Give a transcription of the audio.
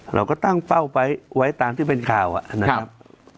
เราก็ตั้งเป้าไว้ตามที่เป็นข่าวนะครับ